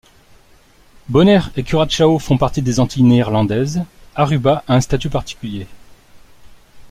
Bonaire et Curaçao font partie des Antilles néerlandaises, Aruba a un statut particulier.